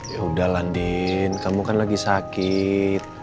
yaudah landin kamu kan lagi sakit